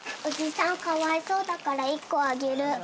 おじさんかわいそうだから１個あげる。